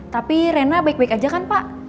tapi rena baik baik aja kan pak